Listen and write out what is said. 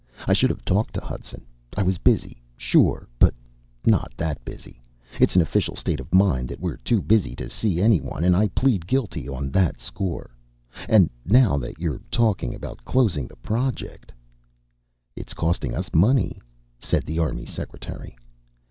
I should have talked to Hudson. I was busy, sure, but not that busy. It's an official state of mind that we're too busy to see anyone and I plead guilty on that score. And now that you're talking about closing the project " "It's costing us money," said the army secretary.